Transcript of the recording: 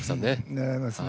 狙えますね。